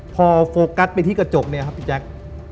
พอโฟกัสไปที่กระจกเนี่ยครับพี่แจ๊ค